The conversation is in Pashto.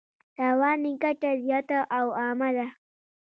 تاوان یې ګټه زیاته او عامه ده.